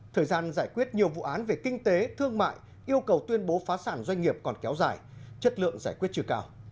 thời gian giải quyết nhiều vụ án về kinh tế thương mại yêu cầu tuyên bố phá sản doanh nghiệp còn kéo dài chất lượng giải quyết chưa cao